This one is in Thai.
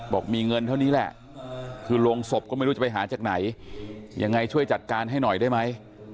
บอกมีเงินเท่านี้แหละคือโรงศพก็ไม่รู้จะไปหาจากไหนยังไงช่วยจัดการให้หน่อยได้ไหม